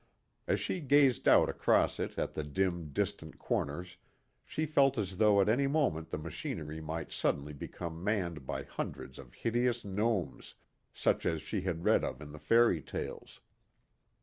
As she gazed out across it at the dim, distant corners she felt as though at any moment the machinery might suddenly become manned by hundreds of hideous gnomes, such as she had read of in the fairy tales.